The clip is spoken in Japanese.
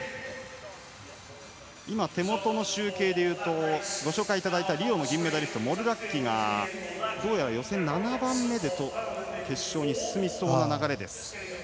手元の集計ではご紹介いただいたリオの銀メダリストモルラッキがどうやら予選７番目で決勝に進みそうな流れです。